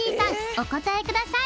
お答えください